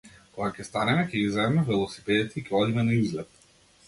Кога ќе станеме ќе ги земеме велосипедите и ќе одиме на излет.